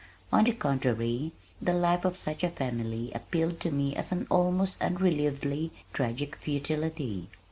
On the contrary, the life of such a family appealed to me as an almost unrelievedly tragic futility.